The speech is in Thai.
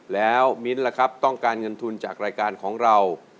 แล้วมิ้นท์ล่ะครับต้องการเงินทุนจากรายการของเรา